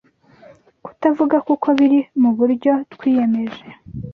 kutavuga kuko biri mu byo twiyemeje.”